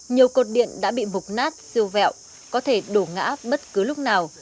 nhiều cột điện đã bị mục nát siêu vẹo có thể đổ ngã bất cứ lúc nào